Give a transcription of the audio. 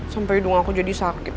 sampai dulu aku jadi sakit